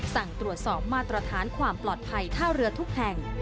สั่งตรวจสอบมาตรฐานความปลอดภัยท่าเรือทุกแห่ง